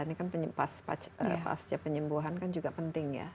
ini kan pasca penyembuhan kan juga penting ya